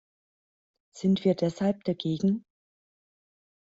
Sind wir deshalb dagegen?